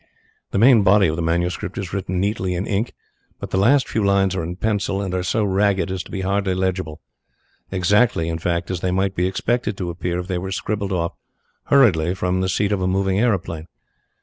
The main body of the manuscript is written neatly in ink, but the last few lines are in pencil and are so ragged as to be hardly legible exactly, in fact, as they might be expected to appear if they were scribbled off hurriedly from the seat of a moving aeroplane.